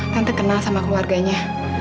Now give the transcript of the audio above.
tante kenal sama keluarganya